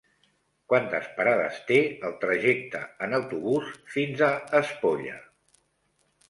Quantes parades té el trajecte en autobús fins a Espolla?